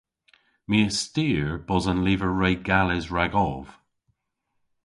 My a styr bos an lyver re gales ragov.